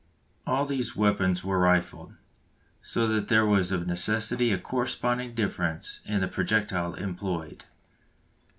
All these weapons were rifled, so that there was of necessity a corresponding difference in the projectile employed.